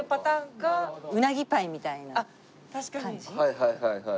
はいはいはいはい。